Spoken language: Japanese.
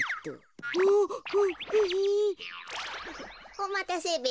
おまたせべ。